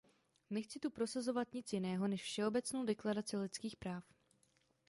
Nechci tu prosazovat nic jiného než Všeobecnou deklaraci lidských práv.